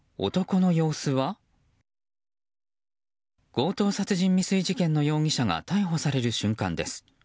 強盗殺人未遂事件の容疑者が逮捕される瞬間です。